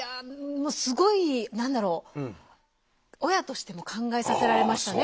もうすごい何だろう親としても考えさせられましたね。